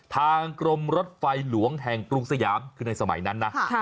ทางกรมรถไฟหลวงแห่งกรุงสยามคือในสมัยนั้นนะ